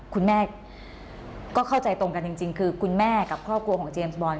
คุณแม่ก็เข้าใจตรงกันจริงคือคุณแม่กับครอบครัวของเจมส์บอล